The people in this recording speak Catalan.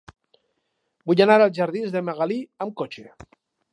Vull anar als jardins de Magalí amb cotxe.